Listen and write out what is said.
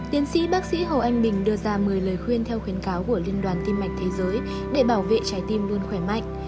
tiến sĩ bác sĩ hồ anh bình đưa ra một mươi lời khuyên theo khuyến cáo của liên đoàn tim mạch thế giới để bảo vệ trái tim luôn khỏe mạnh